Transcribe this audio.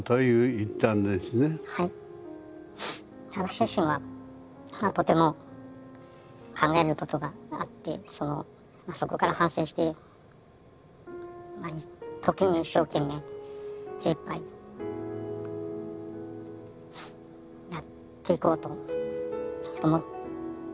私自身はとても考えることがあってそこから反省して時に一生懸命精いっぱいやっていこうと思ってました。